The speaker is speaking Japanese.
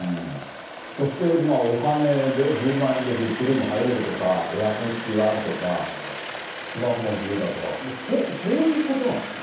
そして、お金で、１０万円でＶＩＰルーム入れるとか、エアコン付きがあるとか、スマートフォン自由だとか、そういうことなんですか。